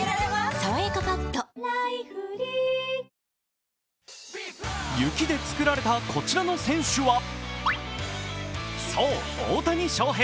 「さわやかパッド」雪で作られたこちらの選手はそう、大谷翔平。